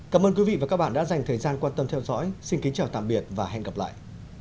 cảm ơn các bạn đã theo dõi và hẹn gặp lại